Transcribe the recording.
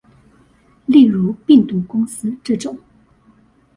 例如病毒公司這種